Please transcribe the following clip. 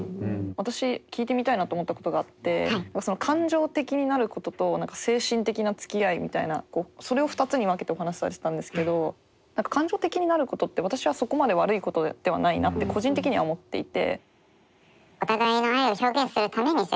私聞いてみたいなと思ったことがあって感情的になることと何か精神的なつきあいみたいなそれを２つに分けてお話しされてたんですけど感情的になることって私はそこまで悪いことではないなって個人的には思っていて。